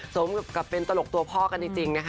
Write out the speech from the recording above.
สมกับเป็นตลกตัวพ่อกันจริงนะคะ